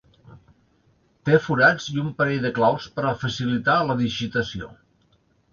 Té forats i un parell de claus per a facilitar la digitació.